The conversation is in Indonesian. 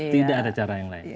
tidak ada cara yang lain